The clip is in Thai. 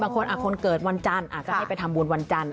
บางคนวันเกิดประหลาดจะไปทำบุญวันจันทร์